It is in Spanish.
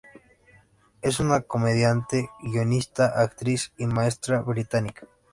Es una comediante, guionista, actriz y maestra británica.